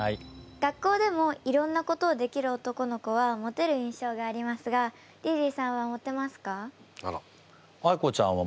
学校でもいろんなことをできる男の子はモテる印象がありますがリリーさんはモテますか？